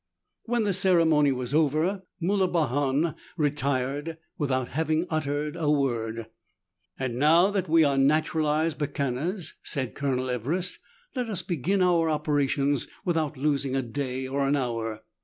When the ceremony was over, Moulibahan retired without having uttered a word. "And now that we are naturalized Bechuanas," said Colonel Everest, "let us begin our operations without losing a day or an hour."